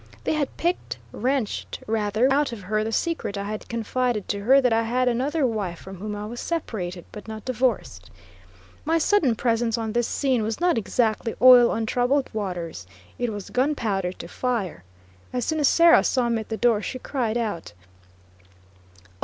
They had picked, wrenched rather, out of her the secret I had confided to her that I had another wife from whom I was "separated," but not divorced. My sudden presence on this scene was not exactly oil on troubled waters; it was gunpowder to fire. As soon as Sarah saw me at the door she cried out: "O!